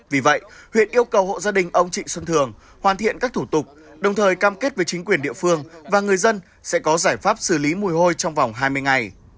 vì vậy huyện yêu cầu hộ gia đình ông trịnh xuân thường hoàn thiện các thủ tục đồng thời cam kết với chính quyền địa phương và người dân sẽ có giải pháp xử lý mùi hôi trong vòng hai mươi ngày